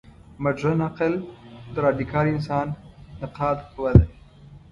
مډرن عقل د راډیکال انسان نقاده قوه ده.